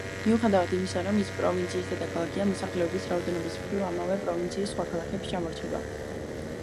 მიუხედავად იმისა, რომ ის პროვინციის დედაქალაქია, მოსახლეობის რაოდენობის მხრივ, ამავე პროვინციის სხვა ქალაქებს ჩამორჩება.